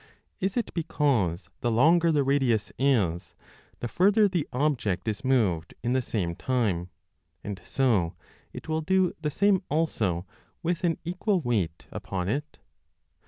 Is it because the longer the radius is the further the object is moved in the same time, and so it will do the same also with an equal weight upon it?